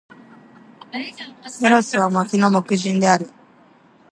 メロスは、村の牧人である。